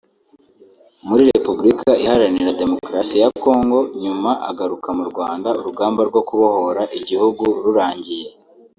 muri Repubulika Iharanira Demokarasi ya Congo nyuma agaruka mu Rwanda urugamba rwo kubohora igihugu rurangiye